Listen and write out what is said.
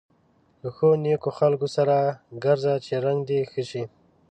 له ښو نېکو خلکو سره ګرځه چې رنګه دې ښه شي.